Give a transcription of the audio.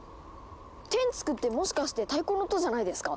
テンツクってもしかして太鼓の音じゃないですか？